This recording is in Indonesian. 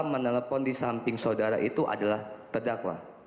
menelpon di samping saudara itu adalah terdakwa